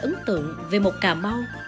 ấn tượng về một cà mau